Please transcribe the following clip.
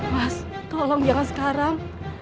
mas tolong jangan sekarang